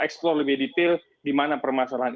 eksplore lebih detail di mana permasalahan